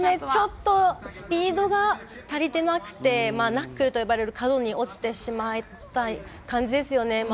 ちょっとスピードが足りてなくてナックルと呼ばれる角に落ちてしまった感じですよね。